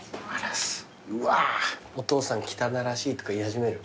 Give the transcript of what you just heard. お父さん汚らしいとか言い始める？